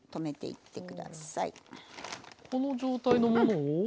この状態のものを。